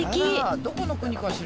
どこの国かしら。